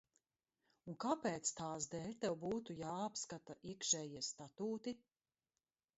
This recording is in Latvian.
Un kāpēc tās dēļ tev būtu jāapskata iekšējie statūti?